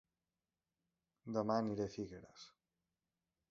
Dema aniré a Figueres